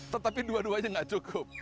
tetapi dua duanya tidak cukup